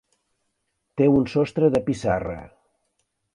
Té un sostre de pissarra.